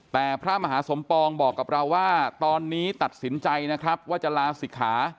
แต่พระมหาสมปองบอกกับเราว่าตอนนี้ตัดสินใจนะครับว่าจะลาศิกขา